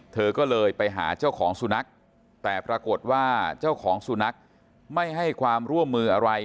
เธอก็เลยไปหาเจ้าของสุนัขแต่ปรากฏว่าเจ้าของสุนัขไม่ให้ความร่วมมืออะไร